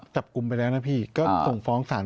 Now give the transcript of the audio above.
จับกลุ่มไปแล้วนะพี่ก็ส่งฟ้องศาล